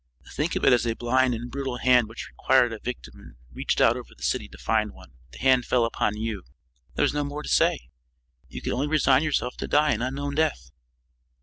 "Think of it as a blind and brutal hand which required a victim and reached out over the city to find one. The hand fell upon you. There is no more to say. You can only resign yourself to die an unknown death."